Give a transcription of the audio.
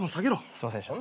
すいませんでした。